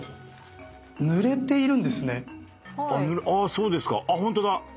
そうですかあっホントだ。